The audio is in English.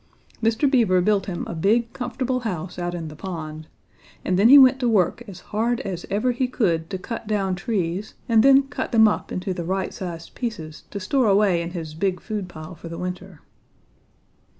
Mr. Beaver built him a big, comfortable house out in the pond, and then he went to work as hard as ever he could to cut down trees and then cut them up into the right sized pieces to store away in his big food pile for the winter.